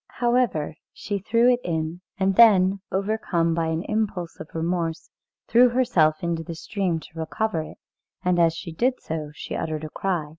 However, she threw it in, and then, overcome by an impulse of remorse, threw herself into the stream to recover it, and as she did so she uttered a cry.